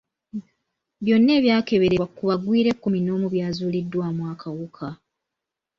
Byonna ebyakeberebwa ku bagwira ekkumi n'omu byazuuliddwamu akawuka.